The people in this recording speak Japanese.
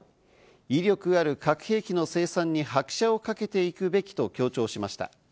威力ある核兵器の生産に拍車をかけていくべきと強調しました。